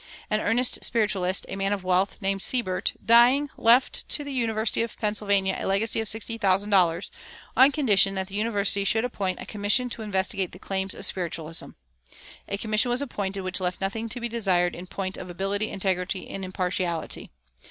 An earnest spiritualist, a man of wealth, named Seybert, dying, left to the University of Pennsylvania a legacy of sixty thousand dollars, on condition that the university should appoint a commission to investigate the claims of spiritualism. A commission was appointed which left nothing to be desired in point of ability, integrity, and impartiality.